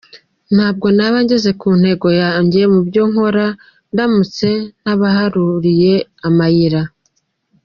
Ntabwo naba ngeze ku ntego yanjye mu byo nkora ndamutse ntabaharuriye amayira.